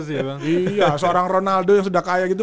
iya seorang ronaldo yang sudah kaya gitu